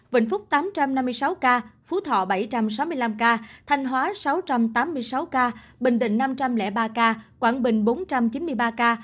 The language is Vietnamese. vĩnh phúc tám trăm năm mươi sáu ca phú thọ bảy trăm sáu mươi năm ca thanh hóa sáu trăm tám mươi sáu ca bình định năm trăm linh ba ca quảng bình bốn trăm chín mươi ba ca